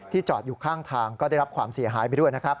จอดอยู่ข้างทางก็ได้รับความเสียหายไปด้วยนะครับ